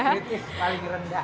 tahap kritis paling rendah